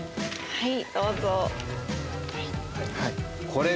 はい。